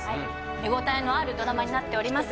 見ごたえのあるドラマになっております